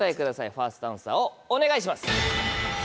ファーストアンサーをお願いします。